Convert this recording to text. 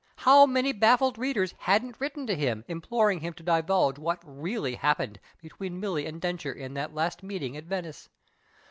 How many baflfled readers hadn't written to him imploring him to divulge what really happened between Milly and Densher in that last meeting at Venice